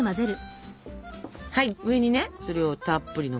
はい上にねそれをたっぷりのっけちゃって。